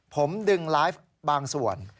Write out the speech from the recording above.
ผมดึงไลฟ์บางส่วน